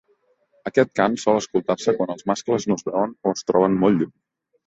Aquest cant sol escoltar-se quan els mascles no es veuen o es troben molt lluny.